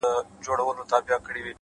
ریښتینی قوت له باور سرچینه اخلي؛